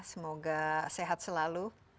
semoga sehat selalu